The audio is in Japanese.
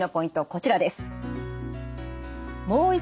こちらです。